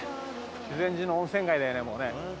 修善寺の温泉街だよねもうね。